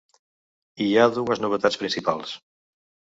Hi ha dues novetats principals.